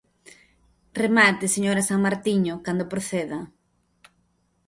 Remate, señora Samartiño, cando proceda.